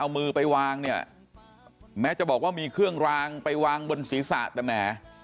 มันไม่เหมาะนะฮะ